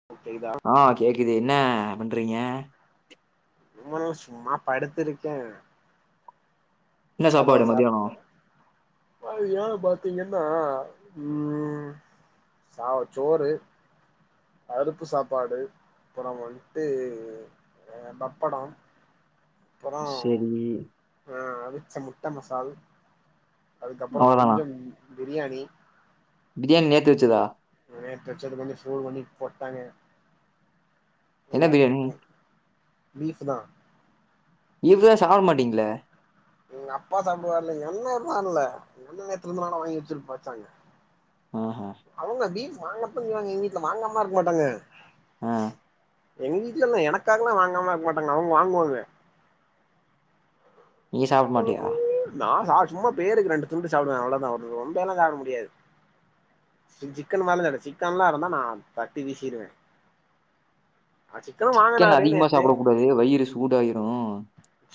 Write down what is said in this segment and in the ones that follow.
[unintelligible] ஆ கேக்குது என்ன பண்றீங்க ஒண்ணுல்ல சும்மா படுத்திருக்கே என்ன கதவு சாப்பாடு மதியானம்? சாத்தியா மதியானோ பாத்தீங்கன்னா ம் சாவ சோறு பருப்பு சாப்பாடு அப்றோ வந்துட்டு பப்படம் அப்பறோ சரி. ஆ அவிச்ச முட்ட மசால் அதுக்கப்றோ‌ அவ்வளோதானா? கொஞ்சம் பிரியாணி பிரியாணி நேத்து வச்சதா நேத்து வச்சது கொஞ்சோ சூடு பண்ணி போட்டாங்க என்ன நீங்க பிரியாணி? பீஃப்ஃபு தா பீஃப் தா சாப்ட மாட்டீங்ளே எங்கப்பா சாப்டுவார்ல என்னைனானுல எங்கண்ணே நேத்து‌ இருந்தனால வாங்கி வச்சிருப்பாச்சாங்க ஆ ஹா அவுங்க பீஃப் வாங்கப்போயிருக்காங்க எங்வீட்ல வாங்காமலாருக்க மாட்டாங்க ஆ எங்வீட்லல்லா எனக்காகல்லா வாங்காமலா இருக்கமாட்டாங்க அவுங்க வாங்குவாங்க நீ சாப்பிட மாட்டியா? நா சா சும்மா பேருக்கு ரெண்டு துண்டு சாப்டுவே அவ்ளோ தா ரொம்பெல்லா சாப்ட முடியாது சி சிக்கன் மாரிலால்ல சிக்கன்ல்லா இருந்தா நா தட்டி வீசிருவே அ சிக்கன் வாங்குனாரு அதிகமா நேத்து சாப்ட கூடாது வயிறு சூடாயிரு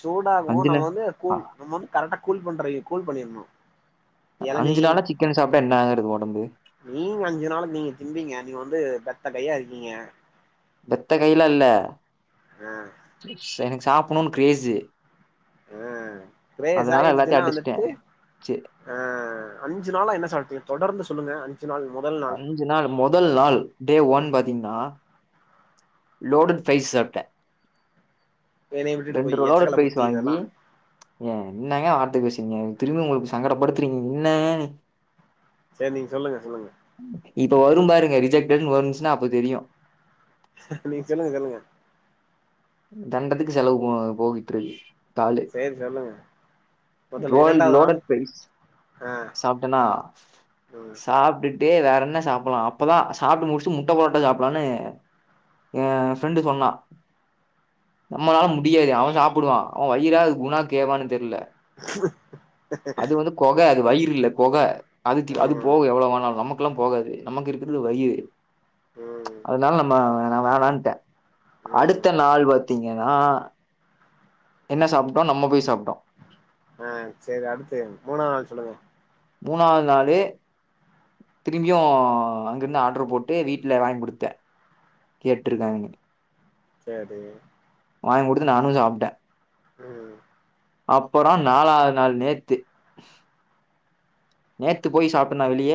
சூடாகு நம்ம வந்து கூல் நம்ம வந்து கரெக்டா கூல் பண்ற கூல் பண்ணிர்ணு எளநி அஞ்சு நாளா சிக்கன் சாப்ட்டா என்னாகுறது ஒடம்பு மீனு அஞ்சு நாளு நீங்க திம்பீங்க நீங்க வந்து பெத்த கையா இருக்கீங்க பெத்த கைலா இல்ல ஆ எனக்கு சாப்புணுன் கிரேஸு ஆ அதனால எல்லாத்தையும் கிரேஸ்ஸாயிருச்சுன்னா அடிச்சுட்டேன். வந்துட்டு சரி ஆ அஞ்சு நாளா என்ன சாப்ட்டிங்க தொடர்ந்து சொல்லுங்க அஞ்சு நாள் மொதல் நாள் அஞ்சு நாள் மொதல் நாள் டே ஒன் பாத்தீங்கன்னா லோடு தயிர்ஸ் சாப்ட்டே என்னைய விட்டுட்டு போய் ரெண்டு [unintelligible] எச்சக்கல பெரிஸ் புத்தி இதெல்லா வாங்கி ஏங்க என்னங்க வார்த்த பேசுறீங்க திரும்பி ஒங்ளுக்கு சங்கடப்படுத்துறீங்க என்ன செரி நீங்க சொல்லுங்க சொல்லுங்க இப்ப வரு பாருங்க ரிஜெக்ட்டட் னு வன்ச்சுன்னா அப்ப தெரியு நீங்க சொல்லுங்க சொல்லுங்க தண்டத்துக்கு செலவு போ போயிட்ரு சேரி சொல்லுங்க முதல்ல இரண்டாவது நாள் [unintelligible] பெரிஸ் ஆ சாப்ட்டேனா ம் சாப்ட்டு ட்டே வேற என்ன சாப்பலா அப்பதா சாப்ட்டு முட்ச்சு முட்ட பொரோட்டா சாப்பலான்னு எ ஃப்ரெண்டு சொன்னா நம்மளால முடியாது அவன் சாப்பிடுவான் அவன் வயிறா அது குணா கேவான்னு தெரில அது குகை அது வயிறு இல்ல அது அது ம் போக எவ்வளவுாலும் நமக்குெல்லாம் போகாது நமக்கு இருக்கு இரு வயிறு ம் அதனால நம்ம நான் வேணாம்ன்னுட்டன் அடுத்து ம் ஆள் பார்த்தீங்கன்னா என்ன சாப்பிட்டோம் நம்ம போய சாப்பிட்டோம் ஆஹ் சரி அடுத்து மூணாவது நாள் சொல்லுங்க மூணாவது நாலு திரும்பியும் அங்கிருந்து ஆர்டரு போட்டு வீட்டுல வாங்கி குடுத்தேன் கேட்டுருக்காங்க சரி வாங்கி கொடுத்து நானும் சாப்ட்டேன் ம் அப்புறம் நாலாவது நாள் நேத்து நேத்து போய் சாப்பிடந்தா வெளிய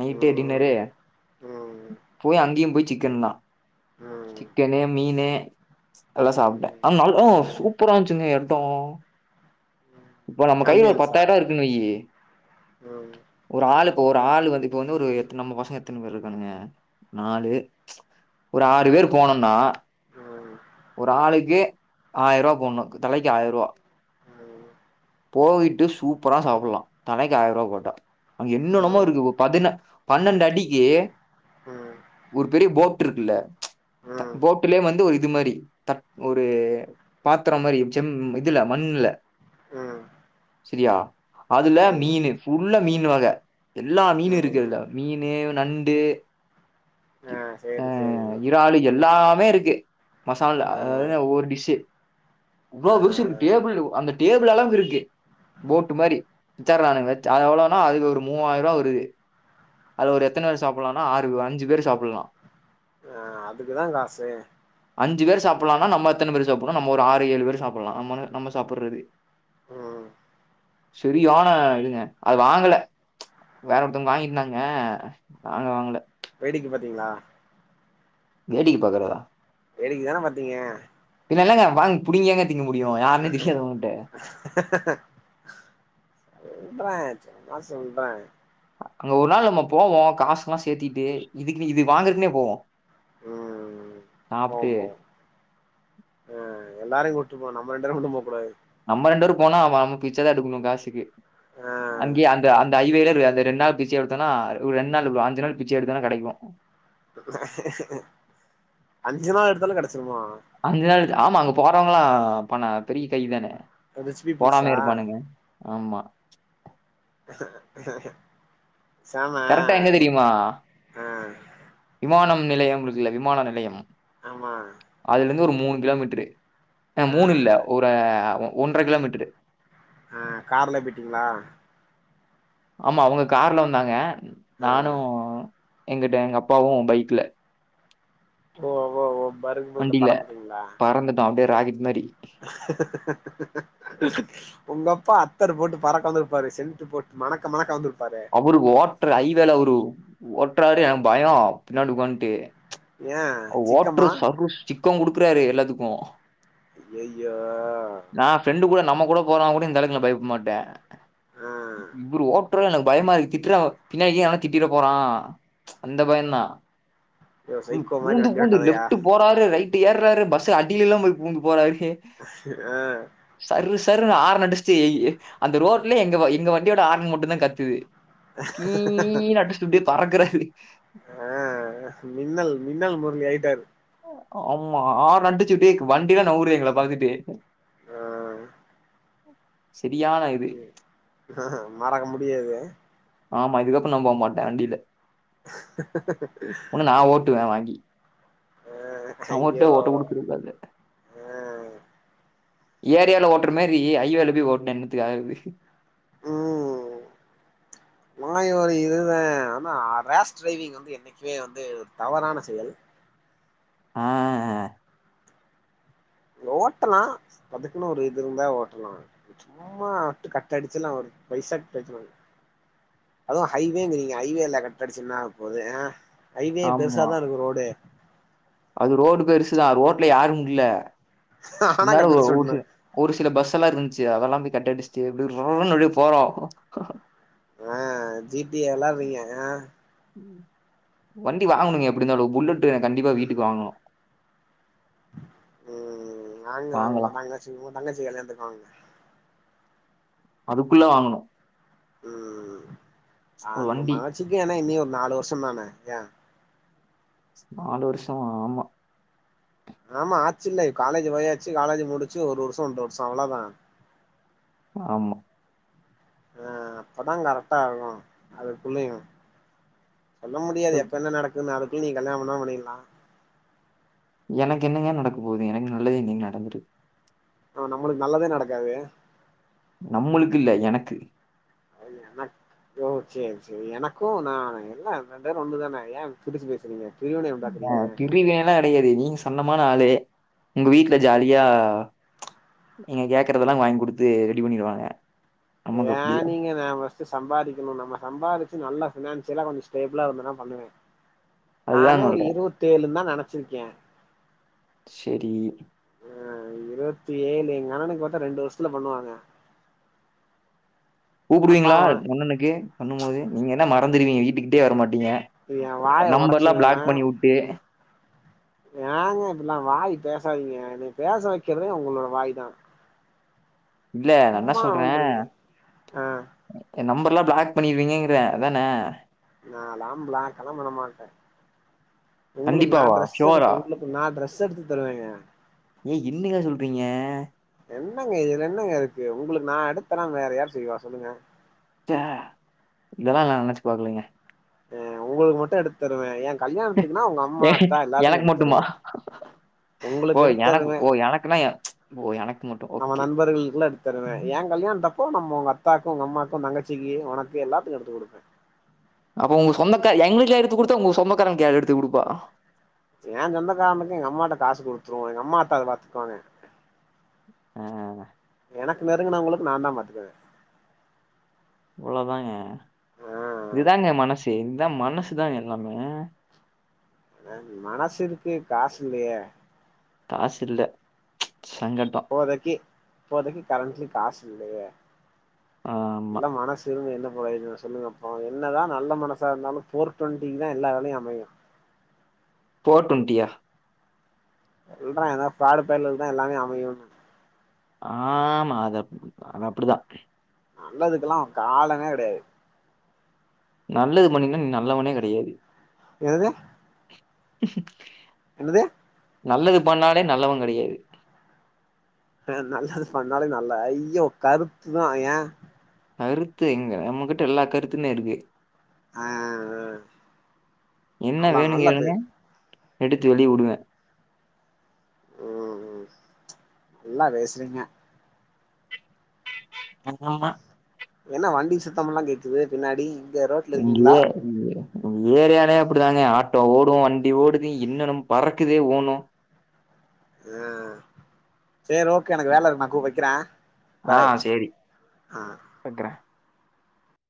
நைட்டு டின்னரு ம் ம் போய் அங்கேயும் போய் சிக்கன் தான் ம் சிக்கனு மீனு எல்லாம் சாப்பிட்டேன் ம் ஆனா நல்லா ம் சூப்பரா இருச்சுங்க இடம் இப்ப நம்ம கைல ஒரு ஆம்பியன்ஸா பத்தாயிரம் ரூபா இருக்குணும்யி ம் ஒரு ஆளு ஒரு ஆள் வந்து இப்ப வந்து ஒரு எத்தனை நம்ம பசம் எத்தனை பேர் இருக்கானுங்க நாலு ஒரு ஆறு பேர் போனோம்னா ம் ம் ஒரு ஆளுக்கு ஆயிரம் ரூபா போடனும் தலைக்கு ஆயிரம் ரூபா ம் போயிட்டு சூப்பரா சாப்டலாம் தலைக்கு ஆயிரம் ரூபாய் போட்டா அங்க ம் என்னொன்னுமோ ம் இருக்கு பதின பண்ணன்டு அடிக்கு ம் ஒரு பெரிய போட் இருக்குல்ல ம் ம் போட்லயே வந்து ஒரு இது மாதிரி த ஒரு பாத்திரம் மாதிரி செம் இதுல மண்ல ம் சரியா அதுல மீன் ஃபுல்ல மீன் வகை எல்லா மீன் இருக்குல்ல மீனு நண்டு ஆ சேரி சேரி ஆஹ் இரால் எல்லாமே இருக்கு மசால ஆ அதாவது ஒவ்வொரு டிஷு ஆ ஆ இ்ளோ விசம் இரு ஆ டேபிள் அந்த டேபிள் அல்லவு இருக்கு போட்டு மாதிரி வச்சரலாம்னு வச்சது எவ்ளோனா அதுக்கு ஒரு மூவாயிர ரூபா வருது அது ஒரு எத்தனை பேர் சாப்பிடலாம்னா ஆறு அஞ்சு பேர் சாப்பிடலாம் அஹ் அதுக்குதான் காசு அஞ்சு பேர் சாப்பிடலாமா நம்ம எத்தனை பேர் சாப்பிடலும் நம்ம ஒரு ஆறு ஏழு பேர் சாப்பிடாம் நம நம்ம சாப்பிடுறது ம் சரியோனா இதுங்க அது வாங்கல வேற ஒருத்தவங்க வாங்கிருந்தாங்க வாங்கல வாங்கல வேடிக்கை பாத்தீங்களா வேடிக்கை பாக்கறதா வேடிக்கைதானே பாத்தீங்க இல் இல்லங்க வாங்கி புடிங் திங்க முடியும் யா சொல்றே சும்மா சொல்றே அங்க ஒரு நாள் நம்ம போவோ காஸ்லா சேத்திட்டு இதுக்கு இது வாங்றக்குனே போவோ ம் போவோ சாப்ட்டு போவோ ஆ எல்லாரையு கூட்ரு போ நம்ம ரெண்டு பேரு மட்டு போப்பிடாது நம்ம ரெண்டு பேரு போனா அவ அவ பிச்ச தா எடுக்குணு காசுக்கு ஆ அங்கே அந்த ஹைவேலே ரெ ரெண்டு நாள் பிச்ச எடுத்தோனா ஒரு ரெண்டு நாள் ஒரு அஞ்ச நாள் பிச்ச எடுத்தா தா கெடைக்கு அஞ்சி நாள் எடுத்தாலு கெடச்சிருமா அஞ்சு நாள் ஆமா அங்க போறவங்களா எல்லா பண பெரிய கை தான ரிச் போடாமயா பீப்புள்ஸா இருப்பானுங்க ஆமா பேசாம கரெக்ட்டா எங்க தெரியுமா? ஆ விமானம் நிலையம் இருக்குல்ல விமான நிலையம் ஆமா அதுலேந்து ஒரு மூணு கிலோமீட்ரு ஆ மூணு இல்ல ஒரு ஒன்ற கிலோமீட்ரு ஆ கார்லே பேய்ட்டிங்ளா ஆமா அவங்க கார்ல வந்தாங்க ஆ நானு எங்கிட்ட எங்க அப்பாவு பைக்ல ஓ ஓ ஓ பருகுமன்ல வண்டில பறந்துட்டோ அப்டே ராக்கெட் மாரி [unintelligible] உங்கப்பா அத்தர் போட்டு பறக்க வந்துருப்பாரே சென்ட்டு போட்டு மணக்க மணக்க வந்துருப்பாரே அவுரு ஓட்ற அய்வேல அவுரு ஓட்றாரு எனக்கு பயோ பின்னாடி ஒக்கான்ட்டு ஏ அவுரு ஓட்ற சிக்கமா சறு சிக்கம் குடுக்குறாரு எல்லாத்துக்கு அய்யய்யோ நா ஃப்ரெண்டு கூட நம்ம கூட போனா கூட இந்தளக்கு நா பயப்புட மாட்டே ஆ இவரு ஒட் உற்றுனு எனக்கு பயமாருக்கு திட்றாவோ பின்னாடிகி எவனா திட்டிட போறா அந்த பயந்தா [unintelligible] சை பூந்து பூந்து லெஃப்ட்டு போறாரு ரைட்டு ஏர்றாரு பஸ் அடிலலா போய் பூந்து போறாரு ஆ சர்ரு சர்ருனு ஆரன் அடிச்சிட்டு ஏ ஏ அந்த ரோட்லே எங்க வ எங்க வண்டியோட ஆரன் மட்டுந்தா கத்துது கீங் கீன்னு அடிச்சிட்டு பறக்குறாரு ஆ மின்னல் மின்னல் முரளி ஆய்ட்டாரு ஆமா ஆரன் அடிச்சுகிட்டேக் வண்டிலா நவுரு எங்கள பாத்துட்டு ஆ ஆ செரியான இது ஹ ஹ மறக்க முடியாது ஆமா இதுக்கப்றோ நா போ மாட்டே வண்டில ஒன்னு நா ஓட்டுவே வாங்கி ஆ அவர்ட்ட ஓட்ட குடுக்குற கூடாது அ ஏரியால ஓட்ற மேரி அய்வேல போய் ஓட்னா என்னத்துக்கு ஆகுறது மாயோ இதுதா ஆனா ரேஷ் டிரைவிங் வந்து என்னைக்குமே வந்து தவறான செயல் ஆ ஆ ஓட்டலா அதுக்குனு ஒரு இது இருந்தா ஓட்டலா சும்மா அட்டு கட்டடிச்சிலா ஒரு பைசாக்கு பிரயோஜன இல்ல அதுவு ஹைவேங்குறீங்க அய்வேல கட் அடிச்சு என்னாகபோது ஆ ஹைவே ஆமா பெருசாதாருக்கு ரோடு அது ரோடு பெருசுதா ரோட்ல யாரும இல்ல ஆனா இருந்தாலு கட் அடிச்சு ஒரு ஓட்டனு சி ஒரு சில பஸ்ஸல்லா இருந்ச்சு அதெல்லா அப்டி கட்டடிச்சிட்டு அப்டே [unintelligible] நொழைய போறோ ஆ ஜி டி வெளாரிங்க ஆ வண்டி வாங்கணுங்க எப்புடிந்தாலு புல்லட்டு கண்டிப்பா வீட்டுக்கு வாங்கணு ம் வாங்கு வாங்கு உங்க வாங்கலாம் தங்கச்சி உ தங்கச்சி கல்யாணத்துக் வாங்குங்க அதுக்குள்ள வாங்கணு ம் ஒரு ஆம வண்டி மனச்சிக்கு ஏன்னா இனி ஒரு நாலு வருஷந்தான ஏ நாலு வருஷோ ஆமா ஆமா ஆச்சில்ல காலேஜ் போயாச்சு காலேஜ் முடிச்சு ஒரு வருஷோ ஒன்ற வருஷோ அவ்ளதா ஆமா அ அப்பதா கரெக்டா ஆகு அதுக்குள்ளையு சொல்ல முடியாது எப்ப என்ன நடக்குன் அதுக்குள் நீ கல்யாண பண்ணா பண்ணிட்லா எனக்கு என்னங்க நடக்க போகுது எனக்கு நல்லது எங்கைங் நடந்துரு ஆ நம்மளுக் நல்லதே நடக்காது நம்மளுக்கில்ல எனக்கு அது எனக் ஓ சேரி சேரி எனக்கு நா எல்லா ரெண்டு பேர் ஒன்னுதான ஏ பிடிச்சி பேசுறீங்க பிரிவினைய ஏ உண்டாக்குறீங்க பிரிவே [unintelligible] அடிக்கடி நீங்க சன்னமான ஆளு உங்க வீட்ல ஜாலியா நீங்க கேக்கறதெல்லா வாய்ங் குடுத்து ரெடி பண்ணிருவாங்க ஏ நீங்க நா ஃபஸ் டு சம்பாதிக்கணு நம்ம சம்பாதிச்சி நல்லா ஃபினான்சியலா கொஞ்ச ஸ்டேபிளா இருந்தனா பண்ணுவே நானே அதுதான் ஒரு சொல்றேன் இருவத்தேழுன்தா நெனச்சிர்க்கே செரி இருவத்தேழு எங் அண்ணனுக்கு பாத்தா ரெண்டு வருஷத்ல பண்ணுவாங்க அப்பா கூப்புடுவீங்ளா அவ ஒண்ணனுக்கு பண்ணுமோது நீங்க என்ன மறந்துருவீங்க வீட்டுக்கிட்டயே வர மாட்டீங்க இது எ வாய நம்பர்ல்லா ஒடச்சிருவ பிளாக் பண்ணி வுட்டு ஏங்க இப்புட்லா வாய் பேசாதீங்க எனைய பேச வெக்கிறதே ஒங்களோட வாய்தா இல்ல நா என்ன சொல்றே நோன்றீங்க ஆ எ நம்பர்லா பிளாக் பண்ணிருவீங்கங்கிறே அதான நாலா பிளாக்கல்லா பண்ண மாட்டே உங்களுக்கு நா கண்டிப்பாவா? ட்ரெஸ் ஷூரா? எடுத்து உங்களுக் நா ட்ரெஸ் எடுத்து தருவேங்க ஏய் என்னங்க சொல்றீங்க என்னங்க இதுல என்னங்க இருக்கு உங்களுக்கு நா எடுத் தராம் வேற யாரு செய்வா சொல்லுங்க ச்ச இதெல்லா நா நெனைச் பாக்லீங்க அ உங்களுக் மட்டு எடுத் தருவே எ கல்யாணத்துக்குனா உங்க அம்மா ஏ அத்த எல்லாத்துக்கு எனக்கு எடுத் மட்டுமா? தருவே ஓ உங்களுக்கு எடுத் எனக்கு தருவே ஓ எனக்குன்னா எ- ஓ எனக்கு மட்டும். நம்ம ஓகே. நண்பர்களுக்ல்லா எடுத்து தருவே ம். எ கல்யாண்த்தப் போ நம் உங் அத்தாக்கு உங் அம்மாக்கு உ தங்கச்சிக்கி உனக்கு எல்லாத்துக்கு எடுத்து குடுப்பே அப்ப உங்க சொந்தக்கா எங்ளுக்லா எடுத்து குடுத்தா உங்க சொந்தக்காரங்க்கு யார் எடுத்து குடுப்பா எ சொந்தக்காரனுக்கு எங்க அம்மாட்ட காசு குடுத்துருவோ எங்க அம்மாத்தா அத பாத்துக் வாங்க அ எனக்கு நெருங்குனவுங்களுக்கு நா தா பாத்துக்குவே இவ்ளோ தாங்க ஆ இது தாங்க மனசு இத்தா மனசு தாங் எல்லாமே அதாவது மனசிருக்கு காசில்லையே காசில்ல சங்கட்டோ போதைக்கி இப்போதைக்கி கரண்ட்ல காசு இல்லயே ஆமா. நல்ல மனஸ் சிருந்து என்ன ப்ரோஜனோ சொல்லுங்கப்போ என்ன தா நல்ல மனசாருந்தாலு போர் டுவெண்ட்டிக்குதா எல்லா வேலையு அமையு ஃபோர் டொண்டியா சொல்றா ஏதா ஃப்ராடு பயலுகுதா எல்லாமே அமையுன்னா ஆமா அதப் அதப்புடிதா நல்லதுக்கெல்லா காலமே கெடயாது நல்லது பண்ணினா நீ நல்லவனே கெடையாது என்னாது என்னது நல்லது பண்ணாலே நல்லவ கெடையாது ஆ நல்லது பண்ணாலே நல்ல ஐய கருத்து தா ஏ கருத்து இங்க நம்மகிட்ட எல்லா கருத்துன்னே இருக்கு ஆ என்ன நல்லா வேணு நல்லா பே கேளுங்க எடுத்து வெளிய விடுவே ம் ம் நல்லா பேசுறீங்க ஆம்மா என்ன வண்டி சத்தம்ல்லா கேக்குது பின்னாடி இங்க ரோட் இங்கயே ஏரியாலயே அப்படிதாங்க ஆட்டோ ஓடு வண்டி ஓடுது இன்னன்னு பறக்குது ஒவ்வொண்ணு ஆ சரி ஓக் க்கா எனக்கு வேலை இருக்கு நா கூப் வைக்கிறே பாய் ஆ வைக்கிறே